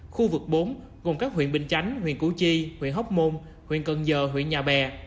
khu vực bốn gồm các huyện bình chánh huyện củ chi huyện hóc môn huyện cần giờ huyện nhà bè